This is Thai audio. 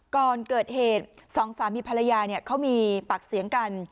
ก่อนเกิดเหตุสองสามีภรรยาเขามีปากเสียงกัน